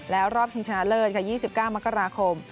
แล้วรอบชิงชนะเลิศค่ะ๒๙มกราคม